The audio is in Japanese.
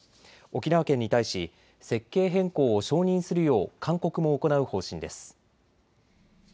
沖縄県に対し設計変更を承認するよう勧告も行う方針です。